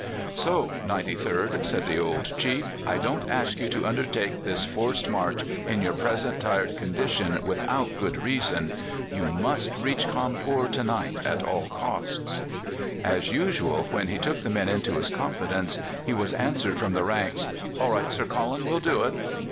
'So, 93rd,' said the old chief, 'I don't ask you to undertake this forced march in your present tired condition without good reason. You must reach Cawnpore to night at all costs.' "As usual, when he took the men into his confidence, he was answered from the ranks: 'All right, Sir Colin, we'll do it.